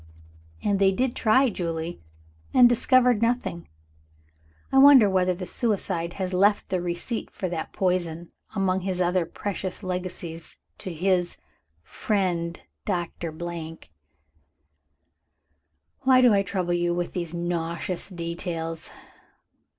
And they did try, Julie and discovered nothing. I wonder whether the suicide has left the receipt for that poison, among his other precious legacies, to his 'friend Doctor .' "Why do I trouble you with these nauseous details?